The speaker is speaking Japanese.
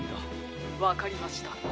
☎わかりました。